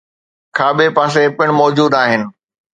، کاٻي پاسي پڻ موجود آهن.